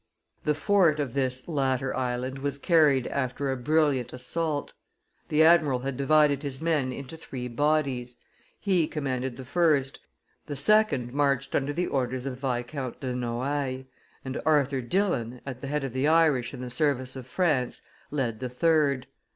The fort of this latter island was carried after a brilliant assault. The admiral had divided his men into three bodies; he commanded the first, the second marched under the orders of Viscount de Noailles, and Arthur Dillon, at the head of the Irish in the service of France, led the third.